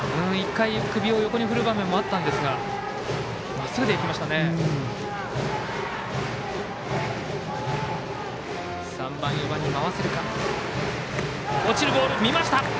１回、首を横に振る場面もあったんですがまっすぐでいきましたね。